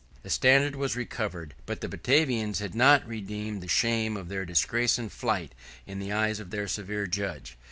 The standard was recovered; but the Batavians had not redeemed the shame of their disgrace and flight in the eyes of their severe judge.